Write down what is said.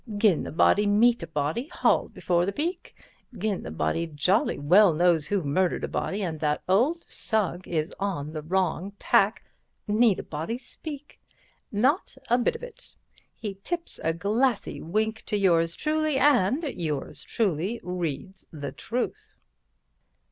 Gin a body meet a body Hauled before the beak, Gin a body jolly well knows who murdered a body and that old Sugg is on the wrong tack, Need a body speak? Not a bit of it. He tips a glassy wink to yours truly and yours truly reads the truth."